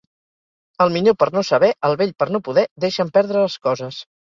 El minyó per no saber, el vell per no poder, deixen perdre les coses.